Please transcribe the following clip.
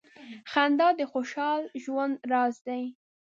• خندا د خوشال ژوند راز دی.